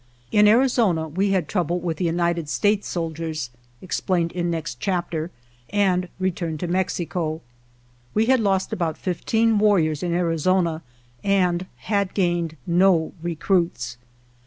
In Arizona we had trouble with the United States soldiers (explained in next chapter) and returned to Mexico. We had lost about fifteen warriors in Arizona, and had gained no recruits.